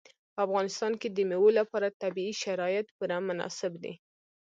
په افغانستان کې د مېوو لپاره طبیعي شرایط پوره مناسب دي.